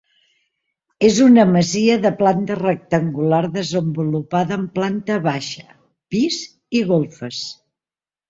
És una masia de planta rectangular desenvolupada en planta baixa, pis i golfes.